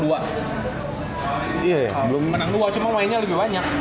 belum menang dua cuma mainnya lebih banyak